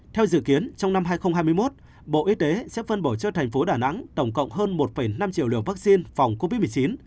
theo dự kiến trong năm hai nghìn hai mươi một bộ y tế sẽ phân bổ cho thành phố đà nẵng tổng cộng hơn một năm triệu liều vaccine phòng covid một mươi chín